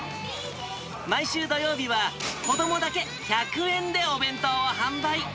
毎週土曜日は子どもだけ１００円でお弁当を販売。